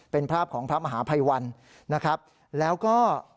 เป็นภาพของพระมหาภัยวันนะครับแล้วก็